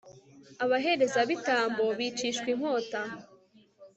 abaherezabitambo bicishwa inkota